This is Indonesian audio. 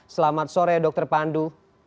selamat sore dr pandu